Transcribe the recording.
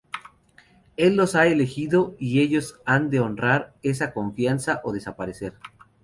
Él los ha elegido, y ellos han de honrar esa confianza o desaparecer.